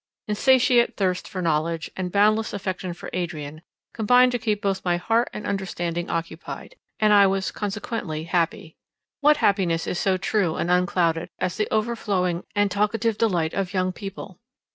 Insatiate thirst for knowledge, and boundless affection for Adrian, combined to keep both my heart and understanding occupied, and I was consequently happy. What happiness is so true and unclouded, as the overflowing and talkative delight of young people.